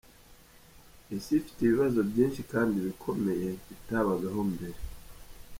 Isi ifite ibibazo byinshi kandi bikomeye bitabagaho mbere.